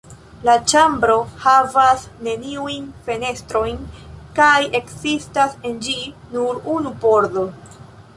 La ĉambro havas neniujn fenestrojn; kaj ekzistas en ĝi nur unu pordo.